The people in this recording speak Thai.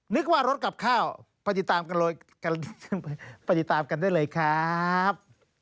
นึกว่ารถกลับข้าวปฏิติตามกันได้เลยครับ